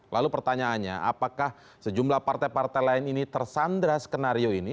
lalu pertanyaannya apakah sejumlah partai partai lain ini tersandra skenario ini